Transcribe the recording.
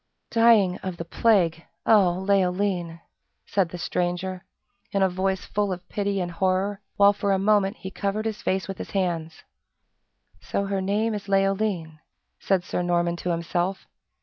"Dying of the plague, O Leoline!" said the stranger, in a voice full of pity and horror, while for a moment he covered his face with his hands. "So her name is Leoline?" said Sir Norman to himself.